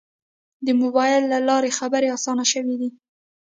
د موبایل له لارې خبرې آسانه شوې دي.